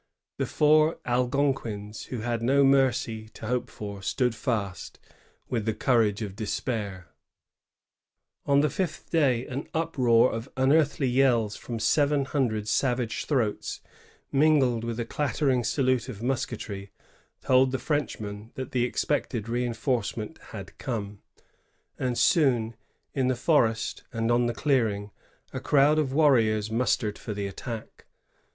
The four Algonquins, who had no mercy to hope for, stood fast, with the cour age of despair. leoa] THE REINFORCEMENT. 185 On the fifth day an uproar of unearthly yells from seyen hundred savage throats, mingled with a clatter ing salute of musketry, told the Frenchmen that the expected reioforcement had come; and soon, in the forest and on the clearing, a crowd of warriors mustered for the attack.